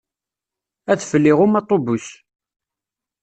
Adfel iɣumm aṭubus.